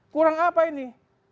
kurang apa ini